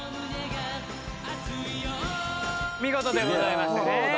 見事でございましたね。